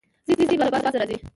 ځې ځې، بازو له به راځې